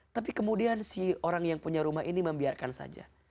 tapi kemudian si orang yang punya rumah ini membiarkan saja